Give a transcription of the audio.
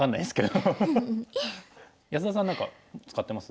安田さん何か使ってます？